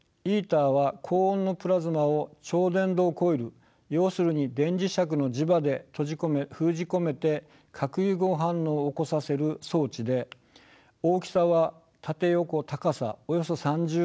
ＩＴＥＲは高温のプラズマを超電導コイル要するに電磁石の磁場で閉じ込め封じ込めて核融合反応を起こさせる装置で大きさは縦横高さおよそ３０ｍ。